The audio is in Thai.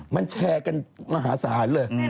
มันแชร์กันมหาศาลเลย